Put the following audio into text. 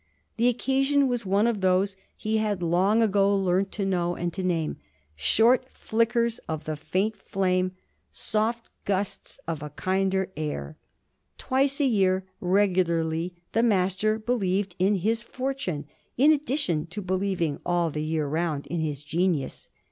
The occasion was one of those he had long ago learnt to know and to name short flickers of the faint flame, soft gusts of a kinder air. Twice a year regularly the Master believed in his fortune, in addition to believing all the year round in his genius.